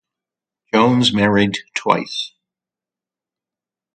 Jones married twice.